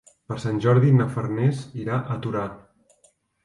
Per Sant Jordi na Farners irà a Torà.